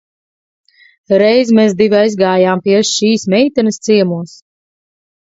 Reiz mēs divi aizgājām pie šīs meitenes ciemos.